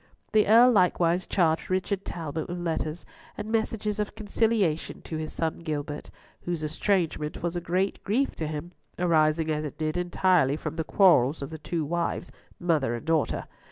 The Earl likewise charged Richard Talbot with letters and messages of conciliation to his son Gilbert, whose estrangement was a great grief to him, arising as it did entirely from the quarrels of the two wives, mother and daughter.